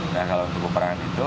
nah kalau untuk peperangan itu